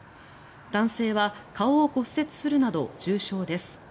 男性は顔を骨折するなど重傷です。